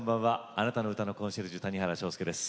あなたの歌のコンシェルジュ谷原章介です。